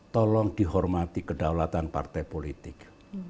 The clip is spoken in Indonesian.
tolong dihormati kedaulatan partai politik